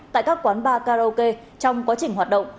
tại các quán bar karaoke trong quá trình hoạt động